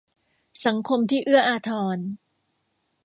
สังคมที่เอื้ออาทร